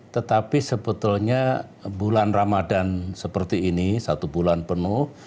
tetapi sebetulnya bulan ramadan seperti ini satu bulan penuh